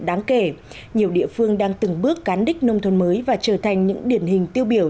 đáng kể nhiều địa phương đang từng bước cán đích nông thôn mới và trở thành những điển hình tiêu biểu